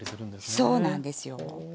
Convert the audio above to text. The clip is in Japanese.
そうなんですよ。